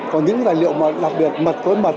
còn những đài liệu mà đặc biệt mật với mật